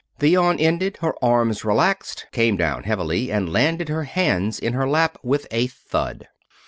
The yawn ended, her arms relaxed, came down heavily, and landed her hands in her lap with a thud.